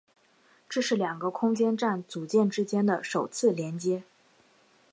这是两个空间站组件之间的首次连接。